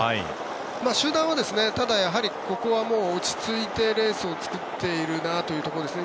集団はただ、ここは落ち着いてレースを作っているなというところですね。